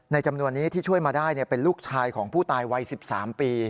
จำนวนนี้ที่ช่วยมาได้เป็นลูกชายของผู้ตายวัย๑๓ปี